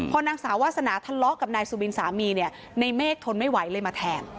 พอนางสาววาสนาทะเลาะกับนายสุบินสามีเนี่ยในเมฆทนไม่ไหวเลยมาแทง